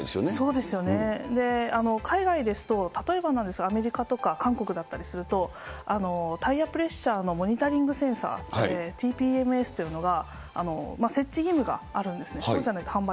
そうですよね、海外ですと、例えばなんですけれども、アメリカとか韓国だったりすると、タイヤプレッシャーのモニタリングセンサーって、というのが、設置義務があるんですね。